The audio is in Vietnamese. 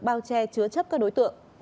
bao che chứa chấp các đối tượng